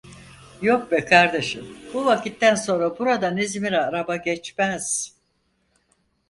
Yok be kardeşim, bu vakitten sonra buradan İzmir'e araba geçmez.